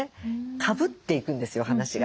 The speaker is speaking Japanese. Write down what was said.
かぶっていくんですよ話が。